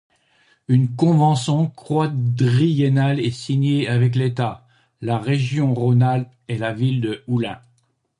Une convention quadriennale est signée avec l’État, la Région Rhône-Alpes et la Ville d’Oullins.